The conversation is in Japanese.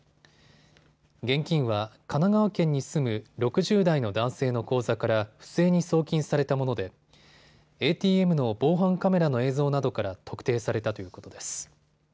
現金は神奈川県に住む６０代の男性の口座から不正に送金されたものでＡＴＭの防犯カメラの映像などから特定されたということです。